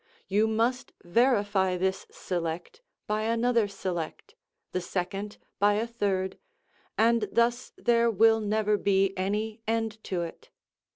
you must verify this select by another select, the second by a third, and thus there will never be any end to it.